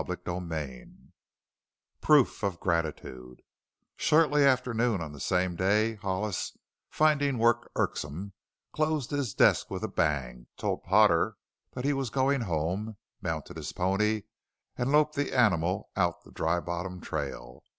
CHAPTER XXII PROOF OF GRATITUDE Shortly after noon on the same day Hollis, finding work irksome, closed his desk with a bang, told Potter that he was going home, mounted his pony, and loped the animal out the Dry Bottom trail.